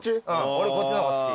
俺こっちの方が好き。